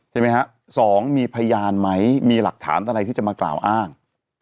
ใช่ไหมฮะสองมีพยานไหมมีหลักฐานอะไรที่จะมากล่าวอ้าง